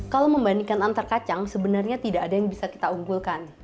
kalau membandingkan antar kacang sebenarnya tidak ada yang bisa kita unggulkan